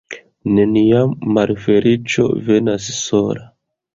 Neniam malfeliĉo venas sola.